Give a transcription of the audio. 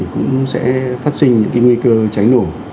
cũng sẽ phát sinh những nguy cơ cháy nổ